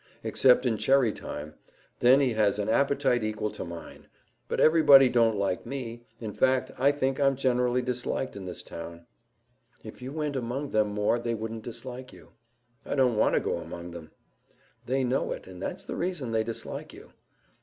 "Except in cherry time. Then he has an appetite equal to mine. But everybody don't like me. In fact, I think I'm generally disliked in this town." "If you went among them more they wouldn't dislike you." "I don't want to go among them." "They know it, and that's the reason they dislike you."